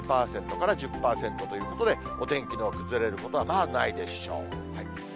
０％から１０％ということで、お天気の崩れることはまあ、ないでしょう。